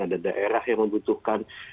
ada daerah yang membutuhkan